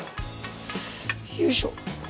よいしょ。